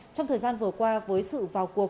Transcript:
trong thời gian vừa qua với sự vào cuộc